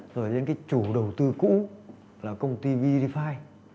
rồi đến cái chủ đầu tư cũ là công ty verify